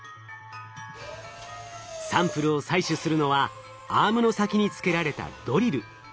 サンプルを採取するのはアームの先に付けられたドリル。